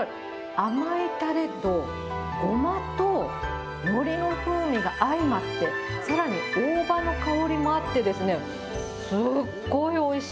甘いたれと、ゴマとのりの風味が相まって、さらに大葉の香りもあって、すっごいおいしい。